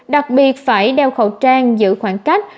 đặc biệt phải đeo khẩu trang giữ khoảng cách